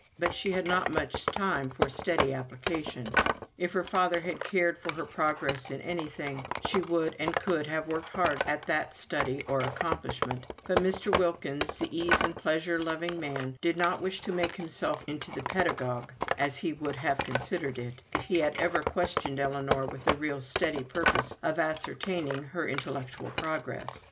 But she had not much time for steady application; if her father had cared for her progress in anything, she would and could have worked hard at that study or accomplishment; but Mr. Wilkins, the ease and pleasure loving man, did not wish to make himself into the pedagogue, as he would have considered it, if he had ever questioned Ellinor with a real steady purpose of ascertaining her intellectual progress.